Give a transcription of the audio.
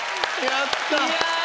やった！